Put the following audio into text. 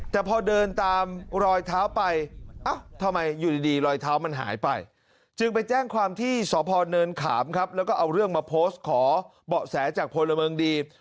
แต่พอเดินตามรอยเท้าไปเอ้าทำไมอยู่ดีรอยเท้ามันหายไปจึงไปแจ้งความที่สพเนินขามครับแล้วก็เอาเรื่องมาโพสต์ขอเบาะแสจากพลเมืองดี